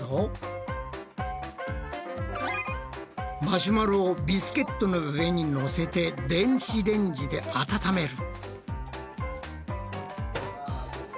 マシュマロをビスケットの上にのせて電子レンジで温める。